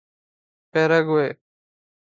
Paraguay